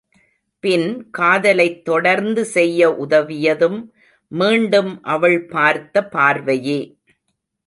பின் காதலைத் தொடர்ந்து செய்ய உதவியதும் மீண்டும் அவள் பார்த்த பார்வையே.